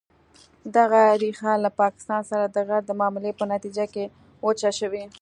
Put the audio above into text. دغه ریښه له پاکستان سره د غرب د معاملې په نتیجه کې وچه شوې.